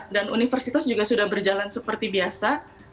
dan universitas juga sudah berjalan seperti biasa